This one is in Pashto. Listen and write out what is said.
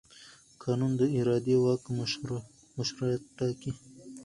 قانون د اداري واک مشروعیت ټاکي.